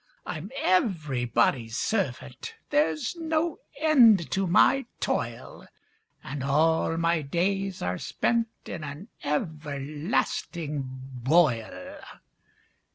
I'm everybody's servant, There's no end to my toil, And all my days are spent In an everlasting boil.